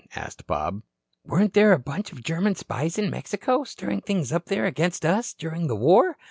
asked Bob. "Weren't there a bunch of German spies in Mexico, stirring things up there against us, during the war?